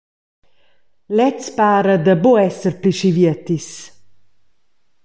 Lez para da buc esser pli aschi vietis.